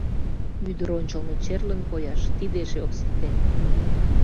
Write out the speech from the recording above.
Ӱдыр ончылно черлын кояш — тиде эше ок сите!